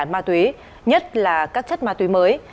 ma túy nhất là các chất ma túy mới